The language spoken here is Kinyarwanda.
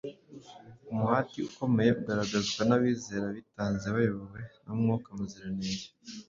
umuhati ukomeye ugaragazwa n’abizera bitanze bayobowe na Mwuka Muziranenge